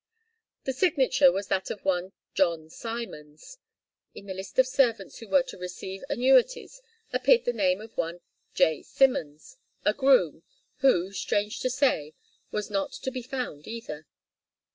The signature was that of one 'John Simons.' In the list of servants who were to receive annuities appeared the name of one 'J. Simmons,' a groom, who, strange to say, was not to be found either.